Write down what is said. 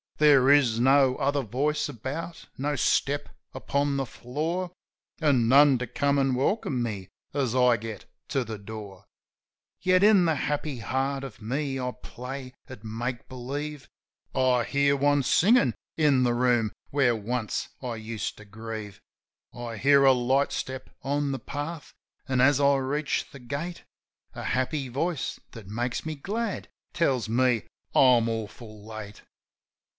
There is no other voice about, no step upon the floor; An' none to come an' welcome me as I get to the door. Yet in the happy heart of me I play at make believe : I hear one singin' in the room where once I used to grieve; I hear a light step on the path, an', as I reach the gate, A happy voice, that makes me glad, tells me I'm awful late.